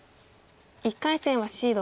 １回戦はシード。